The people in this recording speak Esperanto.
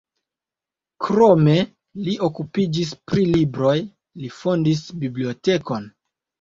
Krome li okupiĝis pri libroj, li fondis bibliotekon.